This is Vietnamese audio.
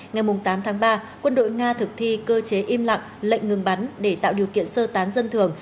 ngày tám tháng ba quân đội nga thực thi cơ chế im lặng lệnh ngừng bắn để tạo điều kiện sơ tán dân thường